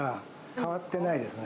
変わってないですね。